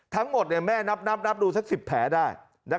ทั้งหมดแม่นับดูสัก๑๐แผลได้